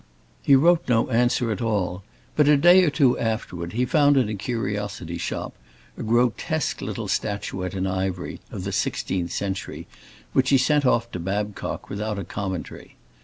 He wrote no answer at all but a day or two afterward he found in a curiosity shop a grotesque little statuette in ivory, of the sixteenth century, which he sent off to Babcock without a commentary.